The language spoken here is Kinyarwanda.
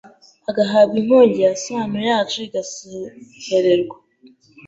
Agahabwa inkongi ya sano yacu igasuhererwa